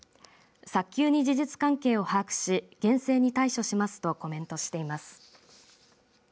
早急に事実関係を把握し厳正に対処しますとコメントしています。